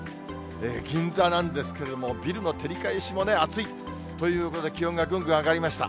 銀座なんですけれども、ビルの照り返しもね、暑い。ということで気温がぐんぐん上がりました。